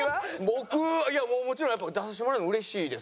僕もちろんやっぱ出させてもらえるのうれしいです。